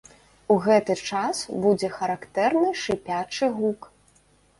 У гэты час будзе характэрны шыпячы гук.